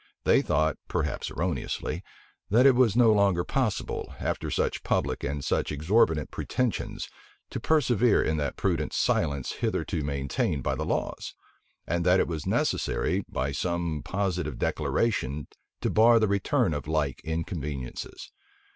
They thought, perhaps erroneously, that it was no longer possible, after such public and such exorbitant pretensions, to persevere in that prudent silence hitherto maintained by the laws; and that it was necessary, by some positive declaration, to bar the return of like inconveniencies.